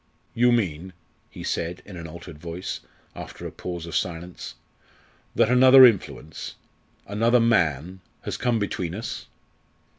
"You mean," he said in an altered voice, after a pause of silence, "that another influence another man has come between us?"